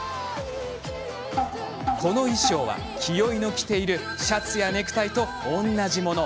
この衣装は清居の着ているシャツやネクタイと同じもの。